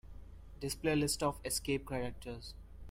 Display a list of escape characters.